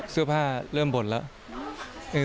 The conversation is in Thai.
เสื้อผ้าเริ่มบ่นแล้ว